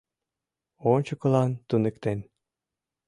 Ончыкылан туныктен